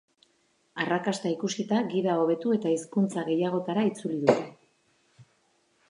Arrakasta ikusita, gida hobetu eta hizkuntza gehiagotara itzuli dute.